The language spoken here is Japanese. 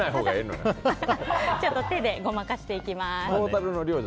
手でごまかしていきます。